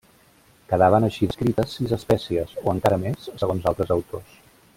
Quedaven així descrites sis espècies, o encara més, segons altres autors.